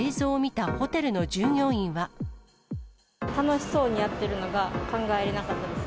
楽しそうにやってるのが考えられなかったです。